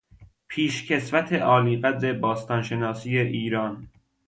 پیش کسوت عالیقدر باستان شناسی ایران